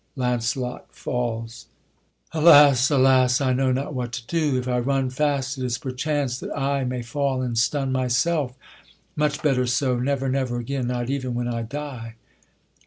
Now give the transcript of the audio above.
[Launcelot falls. Alas! alas! I know not what to do, If I run fast it is perchance that I May fall and stun myself, much better so, Never, never again! not even when I die.'